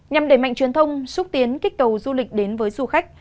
nhằm đẩy mạnh truyền thông xúc tiến kích cầu du lịch đến với du khách